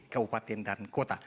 kabupaten dan kota